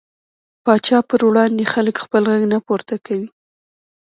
پاچا پر وړاندې خلک خپل غږ نه پورته کوي .